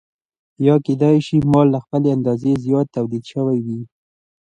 یا کېدای شي مال له خپلې اندازې زیات تولید شوی وي